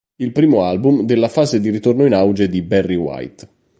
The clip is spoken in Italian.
Il primo album della fase di ritorno in auge di Barry White.